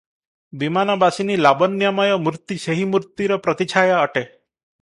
ବିମାନବାସିନୀ ଲାବଣ୍ୟମୟ ମୂର୍ତ୍ତି ସେହି ମୂର୍ତ୍ତିର ପ୍ରତିଛାୟା ଅଟେ ।